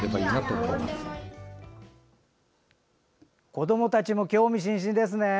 子どもたちも興味津々ですね。